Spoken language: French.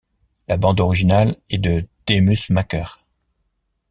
La bande originale est de Demusmaker.